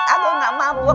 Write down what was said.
aku gak mabuk